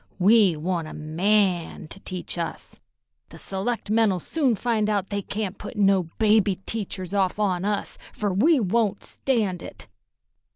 "We want a man to teach us. The selectmen'll soon find out they can't put no baby teachers off on us, fer we won't stand it."